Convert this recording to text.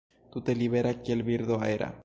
Tute libera, kiel birdo aera.